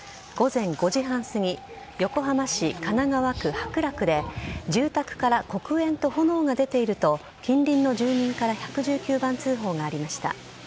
午前５時半すぎ横浜市神奈川区白楽で住宅から黒煙と炎が出ていると近隣の住民から１１９番通報がありました。